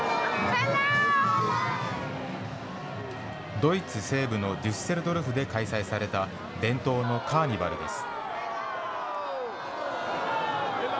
ドイツ西部のデュッセルドルフで開催された、伝統のカーニバルです。